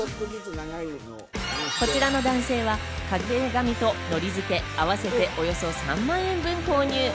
こちらの男性は壁紙とのり付け、合わせておよそ３万円分購入。